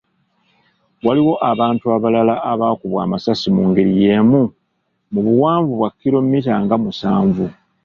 Waliwo abantu abalala abaakubwa amasasi mungeri yeemu mu buwanvu bwa kiromita nga musanvu.